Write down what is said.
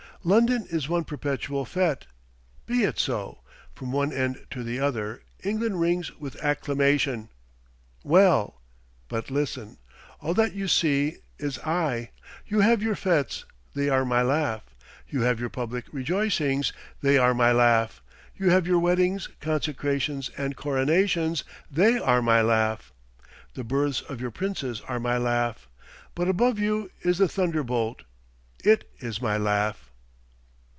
London is one perpetual fête. Be it so. From one end to the other, England rings with acclamation. Well! but listen. All that you see is I. You have your fêtes they are my laugh; you have your public rejoicings they are my laugh; you have your weddings, consecrations, and coronations they are my laugh. The births of your princes are my laugh. But above you is the thunderbolt it is my laugh."